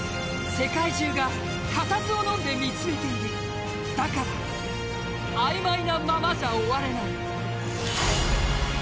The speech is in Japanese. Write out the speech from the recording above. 世界中が、かたずをのんで見つめているだからあいまいなままじゃ終われない。